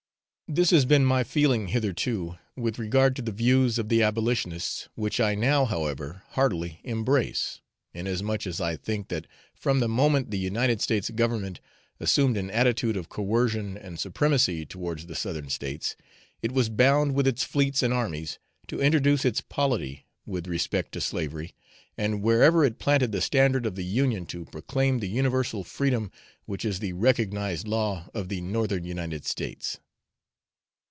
This has been my feeling hitherto with regard to the views of the abolitionists, which I now, however, heartily embrace, inasmuch as I think that from the moment the United States Government assumed an attitude of coercion and supremacy towards the Southern States, it was bound with its fleets and armies to introduce its polity with respect to slavery, and wherever it planted the standard of the Union to proclaim the universal freedom which is the recognised law of the Northern United States.